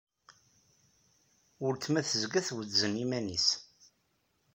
Weltma tezga twezzen iman-nnes.